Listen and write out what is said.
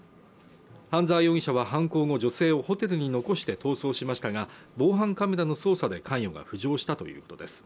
半沢容疑者は犯行後女性をホテルに残して逃走しましたが防犯カメラの捜査で関与が浮上したということです